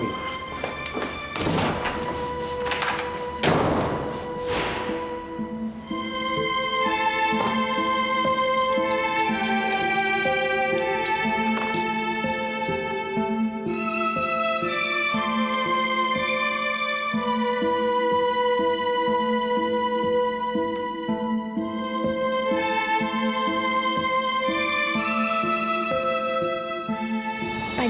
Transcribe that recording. buat malem jelang